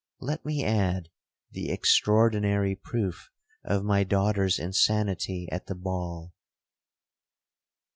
Let me add the extraordinary proof of my daughter's insanity at the ball.'